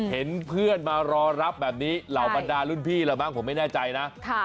เห็นเพื่อนมารอรับเหมือนจะเป็นเหล่าบันดาลุ่นพี่